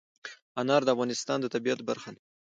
انار د افغانستان د طبیعت برخه ده.